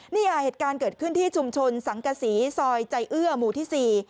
เนี่ยเหตุการณ์เกิดขึ้นที่ชุมชนสังกษีซอยใจเอื้อหมู่ที่สี่